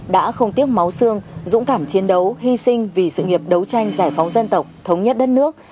đã không tiếc máu xương dũng cảm chiến đấu hy sinh vì sự nghiệp đấu tranh giải phóng dân tộc thống nhất đất nước